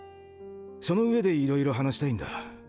その上でいろいろ話したいんだ。